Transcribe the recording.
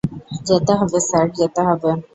যেতে হবে স্যার, যেতে হবে!